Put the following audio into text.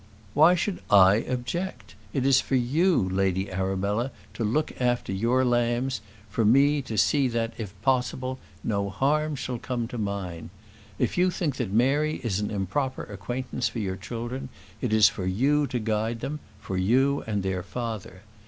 "Why should I object? It is for you, Lady Arabella, to look after your lambs; for me to see that, if possible, no harm shall come to mine. If you think that Mary is an improper acquaintance for your children, it is for you to guide them; for you and their father.